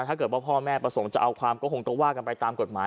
ถ้าเกิดว่าพ่อแม่ประสงค์จะเอาความก็คงต้องว่ากันไปตามกฎหมาย